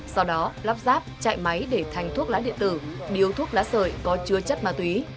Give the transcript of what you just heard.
sau đó lắp ráp chạy máy để thành thuốc lá điện tử điếu thuốc lá sợi có chứa chất ma túy